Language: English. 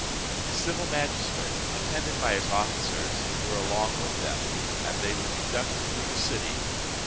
The civil magistrate, attended by his officers, were along with them, and they were conducted through the city.